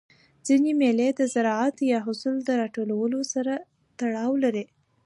ځيني مېلې د زراعت یا حاصل د راټولولو سره تړاو لري.